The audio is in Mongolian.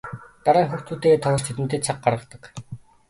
Дараа нь хүүхдүүдтэйгээ тоглож тэдэндээ цаг гаргадаг.